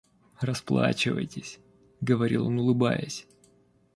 Расплачивайтесь, — говорил он улыбаясь.